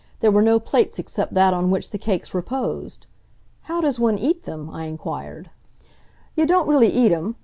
There were no plates except that on which the cakes reposed. "How does one eat them?" I inquired. "Yuh don't really eat 'em.